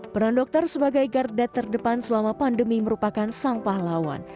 peran dokter sebagai garda terdepan selama pandemi merupakan sang pahlawan